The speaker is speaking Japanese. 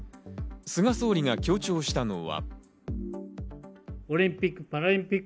菅総理が強調したのは。